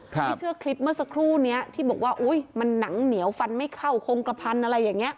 ที่เชื่อคลิปเมื่อสักครู่นี้ที่บอกว่าอุ้ยมันหนังเหนียวฟันไม่เข้าคงกระพันอะไรอย่างนี้